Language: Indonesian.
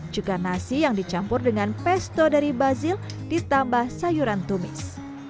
juga nasi yang dicampur dengan pesto dari bazil ditambah sayuran tumis